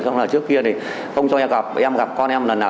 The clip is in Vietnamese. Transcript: xong là trước kia thì không cho em gặp em gặp con em lần nào